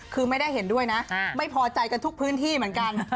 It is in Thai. คือไม่ได้เห็นด้วยนะไม่พอใจกันทุกพื้นที่เหมือนกัน